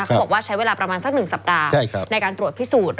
เขาบอกว่าใช้เวลาประมาณสัก๑สัปดาห์ในการตรวจพิสูจน์